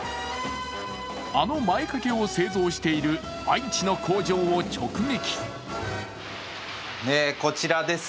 あの前掛けを製造している愛知の工場を直撃。